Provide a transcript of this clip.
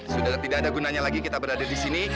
sudah tidak ada gunanya lagi kita berada di sini